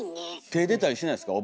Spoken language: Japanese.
手出たりしないですか？